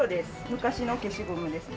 昔の消しゴムですね。